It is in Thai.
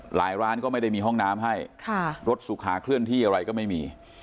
ร้านก็ไม่ได้มีห้องน้ำให้รถสุขาเคลื่อนที่อะไรก็ไม่มี